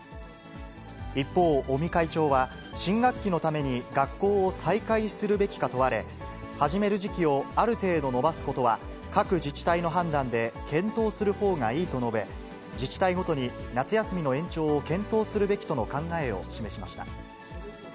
一方、尾身会長は、新学期のために学校を再開するべきか問われ、始める時期をある程度延ばすことは、各自治体の判断で検討するほうがいいと述べ、自治体ごとに夏休みの延長を検討するべきとの考えを示しました。